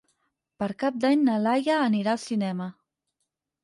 Per Cap d'Any na Laia anirà al cinema.